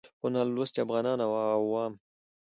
خو نالوستي افغانان او عوام